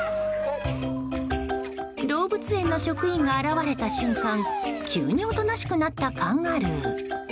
動物園の職員が現れた瞬間急におとなしくなったカンガルー。